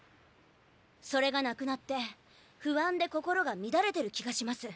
それがなくなって不安で心が乱れてる気がします。